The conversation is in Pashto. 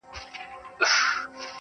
• د پښتو غزل ساقي دی,